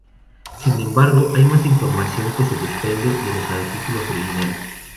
Sin embargo, hay más información que se desprende de los artículos originales.